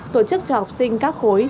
tổ chức cho học sinh các khối